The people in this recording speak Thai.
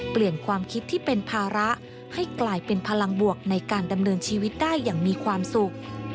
เปลี่ยนความคิดที่เป็นภาระให้กลายเป็นพลังบวกในการดำเนินชีวิตได้อย่างมีความสุข